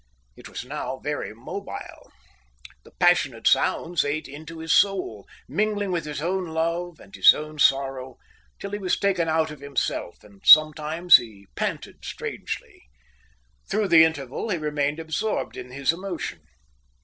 It was now very mobile. The passionate sounds ate into his soul, mingling with his own love and his own sorrow, till he was taken out of himself; and sometimes he panted strangely. Through the interval he remained absorbed in his emotion.